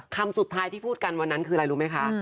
คำสุดท้ายที่พูดกันวันนั้นคืออะไรรู้ไหมคะ